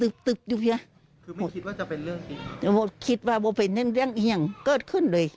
คือไม่คิดว่าจะเป็นเรื่องที่พี่ฟังคิดว่าจะไม่เป็นเรื่องอย่างเกิดขึ้นเลย